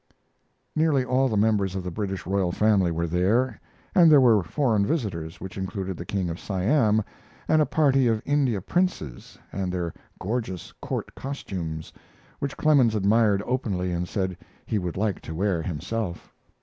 Nearly all the members of the British royal family were there, and there were foreign visitors which included the King of Siam and a party of India princes in their gorgeous court costumes, which Clemens admired openly and said he would like to wear himself.